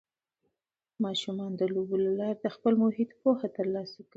ماشومان د لوبو له لارې د خپل محیط پوهه ترلاسه کوي.